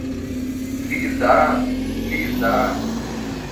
Please দাঁড়ান, please দাঁড়ান।